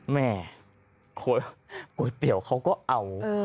แม่ก๋วยเตี๋ยวเขาก็เอา